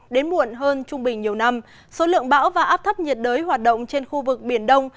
đến muộn hơn trung bình nhiều năm số lượng bão và áp thấp nhiệt đới hoạt động trên khu vực biển đông